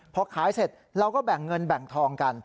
พอขายเสร็จเราก็แบ่งเงินแบ่งทองกัน